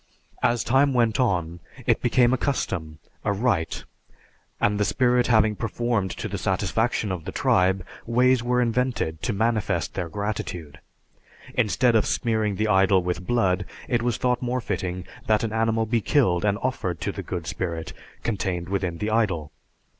As time went on, it became a custom, a rite, and the spirit having performed to the satisfaction of the tribe, ways were invented to manifest their gratitude. Instead of smearing the idol with blood, it was thought more fitting that an animal be killed and offered to the good spirit contained within the idol.